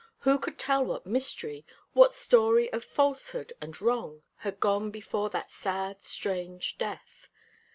Who could tell what mystery what story of falsehood and wrong had gone before that sad, strange death?